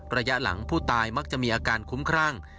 ระยะหลังผู้ตายมักจะมีอาการคุ้มครั่ง